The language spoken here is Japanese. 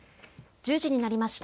１０時になりました。